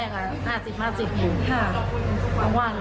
ตอนแรกอะห้าสิบห้าสิบหูรู้หัง